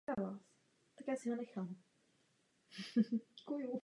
Též byl uveden i v pořadu "Extreme engineering" televizní stanice Discovery Channel.